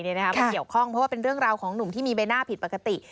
มันเกี่ยวข้องเพราะว่าเป็นเรื่องราวของหนุ่มที่มีใบหน้าผิดปกติ